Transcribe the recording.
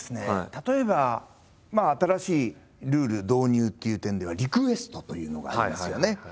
例えば新しいルール導入という点では「リクエスト」というのがありますよね。